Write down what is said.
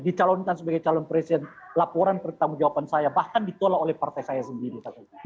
dicalonkan sebagai calon presiden laporan pertanggung jawaban saya bahkan ditolak oleh partai saya sendiri